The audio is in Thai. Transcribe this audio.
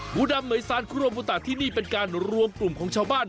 หูดำหน่วยซานครูตะที่นี่เป็นการรวมกลุ่มของชาวบ้าน